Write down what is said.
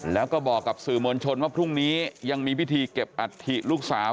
แล้วก็บอกกับสื่อมวลชนว่าพรุ่งนี้ยังมีพิธีเก็บอัฐิลูกสาว